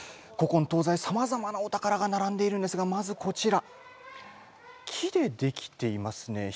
古今東西さまざまなおたからがならんでいるんですがまずこちら木で出来ていますね。